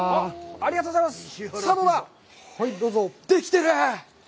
ありがとうございます。